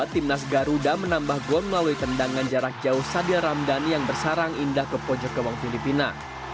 timnas garuda menambah gon melalui tendangan jarak jauh sadil ramdhani yang bersarang indah ke pojok kewang filipina